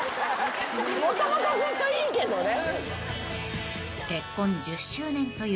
もともとずっといいけどね。